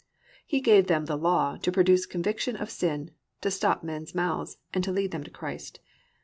He gave them the law to produce conviction of sin, to stop men's mouths, and to lead them to Christ.